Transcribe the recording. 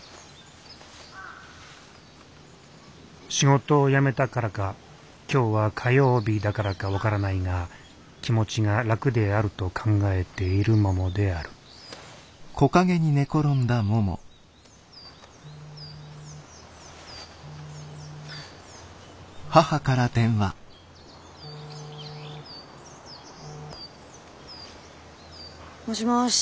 仕事を辞めたからか今日は火曜日だからか分からないが気持ちが楽であると考えているももであるもしもし。